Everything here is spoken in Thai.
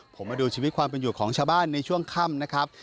ผมมาดูชีวิตความเป็นอยู่ของชาวบ้านในช่วงค่ำนะครับ